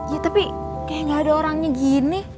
ya tapi kayak gak ada orangnya gini